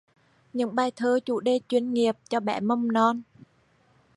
Những bài thơ chủ đề nghề nghiệp cho bé mầm non